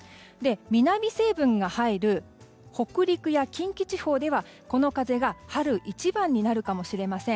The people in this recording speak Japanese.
南成分が入る北陸や近畿地方ではこの風が春一番になるかもしれません。